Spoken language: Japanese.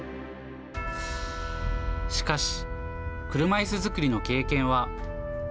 しかし、車いす作りの経験は。